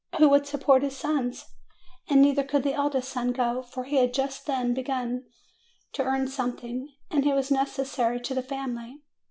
Who would support his sons? And neither could the eldest son go, for he had just then begun to earn something, and he was necessary to the family.